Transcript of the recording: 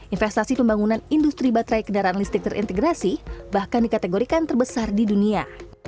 investasi pembangunan industri baterai kendaraan listrik terintegrasi bahkan dikategorikan terbesar di dunia